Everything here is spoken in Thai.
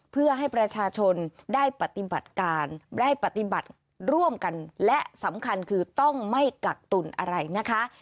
เพื่อให้ประชาชนได้ปฏิบัติการได้ปฏิบัติร่วมกันและสำคัญคือต้องไม่กักตุลอะไรนะคะ